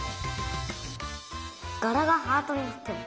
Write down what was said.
がらがハートになってる。